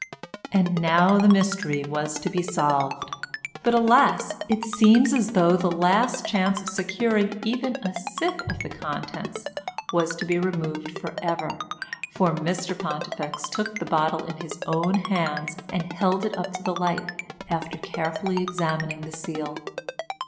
And now the mystery was to be solved. But alas! it seemed as though the last chance of securing even a sip of the contents was to be removed for ever, for Mr Pontifex took the bottle into his own hands and held it up to the light after carefully examining the seal.